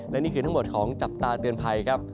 และนี่คือทั้งหมดของจับตาเตือนภัยครับ